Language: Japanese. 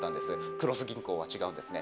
黒須銀行は違うんですね。